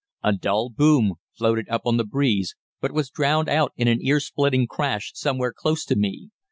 A dull boom floated up on the breeze, but was drowned in an ear splitting crash somewhere close to me.